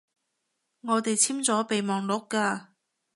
我哋簽咗備忘錄㗎